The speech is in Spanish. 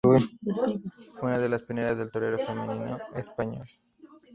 Fue una de las pioneras del toreo femenino español.